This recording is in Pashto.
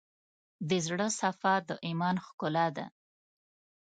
د زړه صفا، د ایمان ښکلا ده.